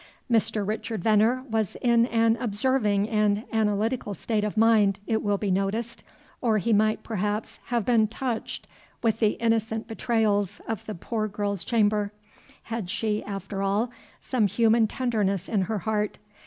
Mr. Richard Venner was in an observing and analytical state of mind, it will be noticed, or he might perhaps have been touched with the innocent betrayals of the poor girl's chamber. Had she, after all, some human tenderness in her heart?